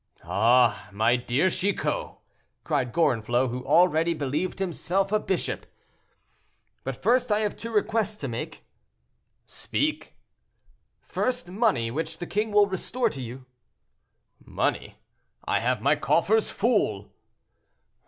"Ah! my dear Chicot," cried Gorenflot, who already believed himself a bishop. "But first I have two requests to make." "Speak." "First, money, which the king will restore to you." "Money! I have my coffers full."